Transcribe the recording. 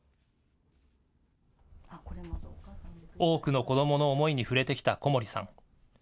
多くの子どもの思いに触れてきた小森さん。